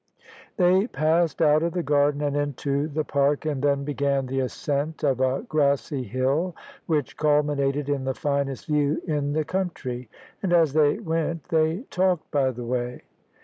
They passed out of the garden and into the park, and then began the ascent of a grassy hill which culminated in the finest view in the county; and as they went they talked by the way.